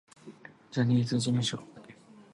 ジャニーズ事務所